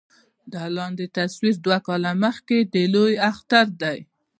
دا لاندې تصوير دوه کاله مخکښې د لوئے اختر دے